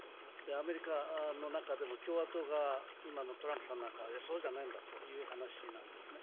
アメリカの中でも共和党が今のトランプさんなんかはそうじゃないんだという話なんですね。